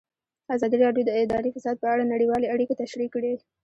ازادي راډیو د اداري فساد په اړه نړیوالې اړیکې تشریح کړي.